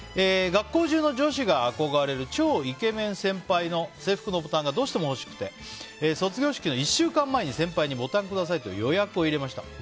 学校中の女子が憧れる超イケメン先輩の制服のボタンがどうしても欲しくて卒業式の１週間前に、先輩にボタンくださいと予約を入れました。